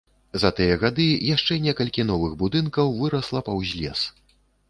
За тыя гады яшчэ некалькі новых будынкаў вырасла паўз лес.